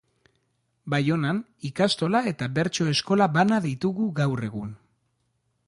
Baionan ikastola eta bertso-eskola bana ditugu gaur egun.